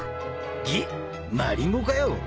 げっマリモかよ。